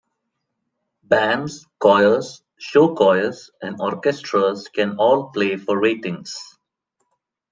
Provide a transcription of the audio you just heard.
Bands, choirs, show choirs, and orchestras can all play for ratings.